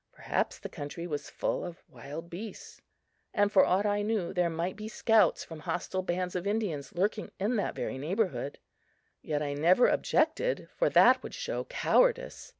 Perhaps the country was full of wild beasts, and, for aught I knew, there might be scouts from hostile bands of Indians lurking in that very neighborhood. Yet I never objected, for that would show cowardice.